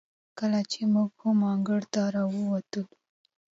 کله چې موږ هم انګړ ته راووتلو،